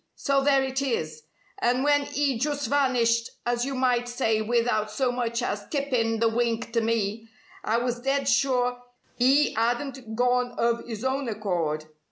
So there it is! And when 'e just vanished as you might say without so much as tippin' the wink to me, I was dead sure 'e 'adn't gone of 'is own accord.